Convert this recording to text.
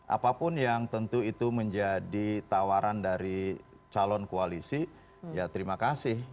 apapun yang tentu itu menjadi tawaran dari calon koalisi ya terima kasih